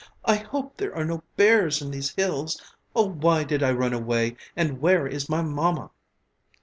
"I hope there are no bears in these hills. Oh, why did I run away, and where is my mamma?"